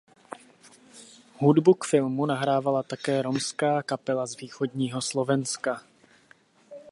Hudbu k filmu nahrávala také romská kapela z východního Slovenska.